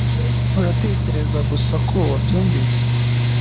Uratekereza gusa ko wabyumvise